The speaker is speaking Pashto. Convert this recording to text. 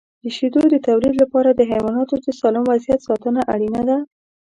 د شیدو د تولید لپاره د حیواناتو د سالم وضعیت ساتنه اړینه ده.